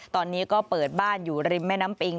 ตอนนี้ก็เปิดบ้านอยู่ริมแม่น้ำปิง